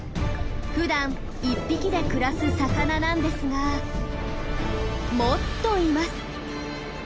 ふだん１匹で暮らす魚なんですがもっといます。